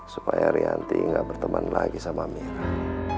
supaya rianti gak berteman lagi sama mirah